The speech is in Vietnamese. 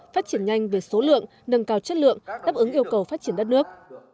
phát triển nhanh về số lượng nâng cao chất lượng đáp ứng yêu cầu phát triển đất nước